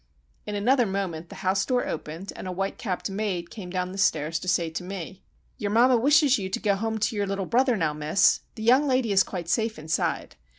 In another moment the house door opened, and a whitecapped maid came down the stairs to say to me,— "Your mamma wishes you to go home to your little brother now, miss. The young lady is quite safe inside.